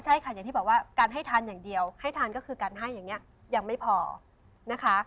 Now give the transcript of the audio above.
ใช่ค่ะอย่างที่บอกว่าการให้ทานอย่างเดียวให้ทานก็คือการให้อย่างนี้ยังไม่พอนะคะ